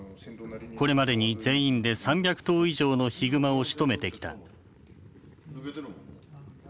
これまでに全員で３００頭以上のヒグマをしとめてきた。